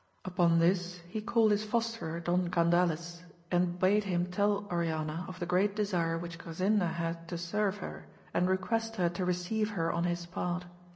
Upon this he called his fosterer Don Gandales, and bade him tell Oriana of the great desire which Grasinda had to serve her, and request her to receive her on his part.